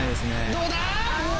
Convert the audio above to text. どうだ！